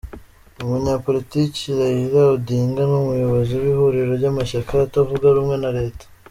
Umunyapolitiki Raila Odinga, ni umuyobozi w’Ihuriro ry’Amashyaka atavuga rumwe na Leta.